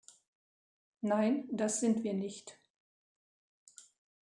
Nein, das sind wir nicht.